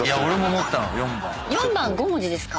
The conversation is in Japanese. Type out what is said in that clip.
４番５文字ですか？